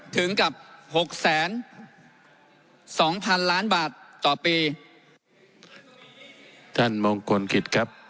ถึงกับ๖๐๒๐๐๐๐๐๐ล้านบาทต่อปี